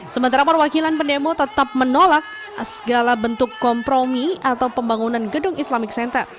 sementara perwakilan pendemo tetap menolak segala bentuk kompromi atau pembangunan gedung islamic center